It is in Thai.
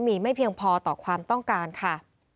มีไม่เพียงพอต่อความต้องการค่ะ